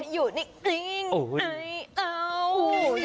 อยากถักหยาบ